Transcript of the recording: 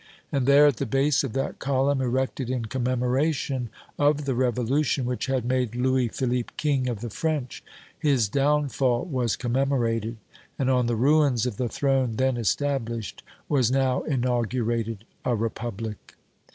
And, there, at the base of that column erected in commemoration of the Revolution which had made Louis Philippe King of the French, his downfall was commemorated, and on the ruins of the throne then established was now inaugurated a Republic!